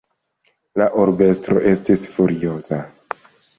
La urbestro estis furioza.